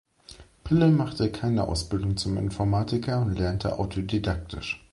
Pile machte keine Ausbildung zum Informatiker und lernte autodidaktisch.